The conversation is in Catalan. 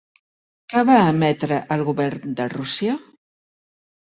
Què va emetre el govern de Rússia?